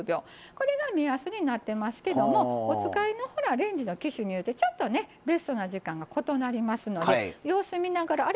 これが目安になってますけどお使いのレンジの機種によってベストな時間が異なりますので様子を見ながらあれ？